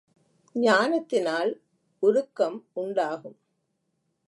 ஞானத்தினால் உருக்கம் உண்டாகும்.